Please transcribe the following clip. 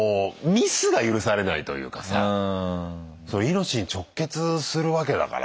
命に直結するわけだから。